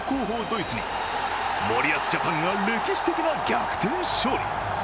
・ドイツに森保ジャパンが歴史的な逆転勝利。